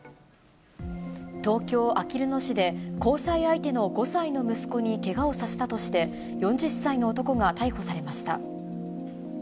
東京・あきる野市で、交際相手の５歳の息子にけがをさせたとして、４０歳の男が逮捕されました。